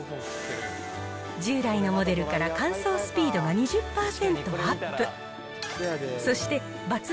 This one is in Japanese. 従来のモデルから乾燥スピードが２０％アップ。